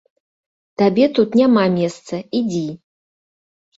Табе тут няма месца, ідзі!